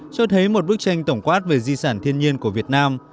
cho thấy một bức tranh tổng quát về di sản thiên nhiên của việt nam